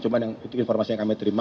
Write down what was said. cuma itu informasi yang kami terima